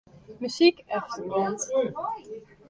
Muzyk efterkant.